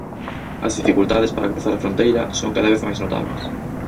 As dificultades para cruzar a fronteira son cada vez máis notables.